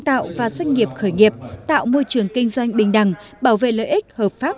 tạo và doanh nghiệp khởi nghiệp tạo môi trường kinh doanh bình đẳng bảo vệ lợi ích hợp pháp